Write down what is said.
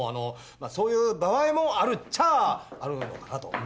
まあそういう場合もあるっちゃあるのかなと。